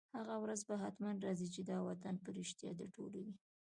هغه ورځ به حتماً راځي، چي دا وطن به رشتیا د ټولو وي